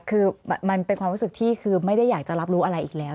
คือมันเป็นความรู้สึกที่คือไม่ได้อยากจะรับรู้อะไรอีกแล้ว